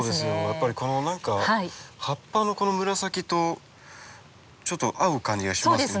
やっぱり何か葉っぱのこの紫とちょっと合う感じがします。